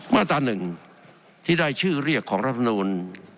มาตราหนึ่งที่ได้ชื่อเรียกของรัฐธรรมนุน